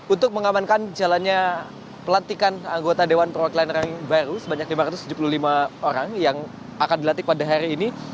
untuk mengamankan jalannya pelantikan anggota dewan perwakilan orang baru sebanyak lima ratus tujuh puluh lima orang yang akan dilantik pada hari ini